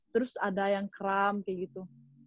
terus ada yang kram kayak gitu